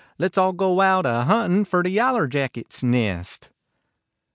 let s All go out a huntin fer The yaller jackets nest."